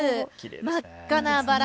真っ赤なバラ。